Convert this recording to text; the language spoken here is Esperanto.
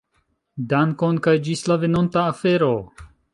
Dankon, kaj ĝis la venonta afero.